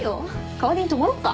代わりに泊まろっか？